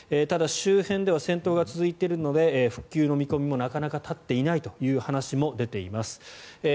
ただ、周辺では戦闘が続いているので復旧の見込みもなかなか立っていないという話も出ています。